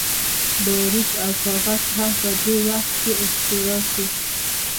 باروت او کاغذ هم په دې وخت کې اختراع شول.